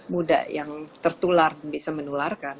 muda yang tertular dan bisa menularkan